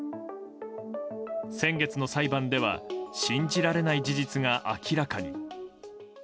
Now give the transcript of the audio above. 先月の裁判では信じられない事実が明らかに。